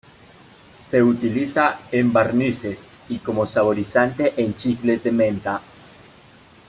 Se utiliza en barnices y como saborizante en chicles de menta.